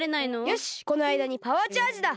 よしこのあいだにパワーチャージだ。